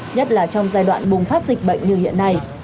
nhất là trong giai đoạn bùng phát dịch bệnh như hiện nay